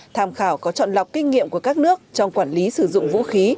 tham khảo có trọn lọc kinh nghiệm của các nước trong quản lý sử dụng vũ khí